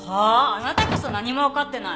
あなたこそ何も分かってない。